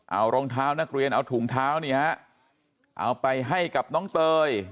เอารองเท้านักเรียนเอาถุงเท้านี่ฮะเอาไปให้กับน้องเตย